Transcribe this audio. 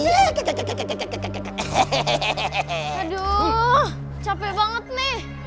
aduh capek banget nih